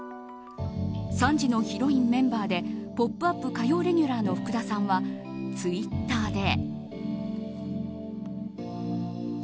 ３時のヒロインメンバーで「ポップＵＰ！」火曜レギュラーの福田さんはツイッターで。